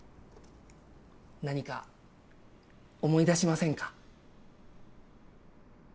何か思い出しませんか？